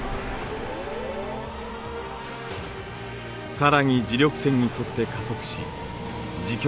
更に磁力線に沿って加速し磁極